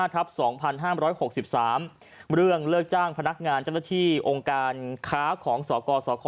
๘๕ทัพ๒๕๖๓เรื่องเลือกจ้างพนักงานเจ้าหน้าที่องค์การค้าของส่อกรส่อคอ